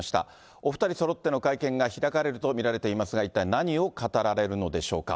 お２人そろっての会見が開かれると見られていますが、一体何を語られるのでしょうか。